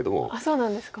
そうなんですか？